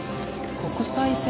国際線か。